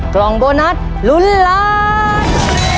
กล่องโบนัสลุ้นล้าน